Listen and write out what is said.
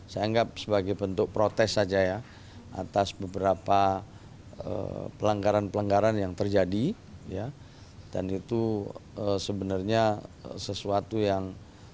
saya anggap sebagai bentuk protes saja ya atas beberapa pelanggaran pelanggaran yang terjadi dan itu sebenarnya sesuatu yang